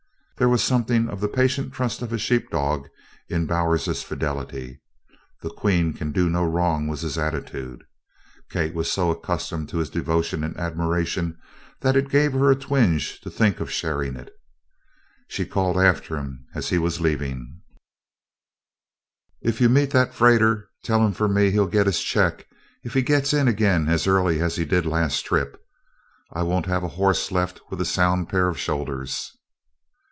There was something of the patient trust of a sheepdog in Bowers's fidelity. "The queen can do no wrong," was his attitude. Kate was so accustomed to his devotion and admiration that it gave her a twinge to think of sharing it. She called after him as he was leaving: "If you meet that freighter, tell him for me he'll get his check if he gets in again as early as he did last trip. I won't have a horse left with a sound pair of shoulders."